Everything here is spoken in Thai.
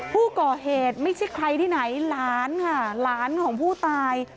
ผู้ก่อเหตุไม่ใช่ใครที่ไหนหลานค่ะหลานของผู้ตาย